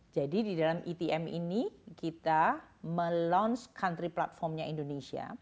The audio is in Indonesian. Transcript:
jadi di dalam etm ini kita meluncurkan platform negara indonesia